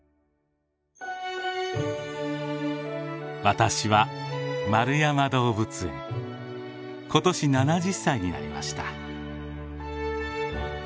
私は円山動物園今年７０歳になりました。